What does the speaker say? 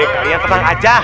kalian tenang aja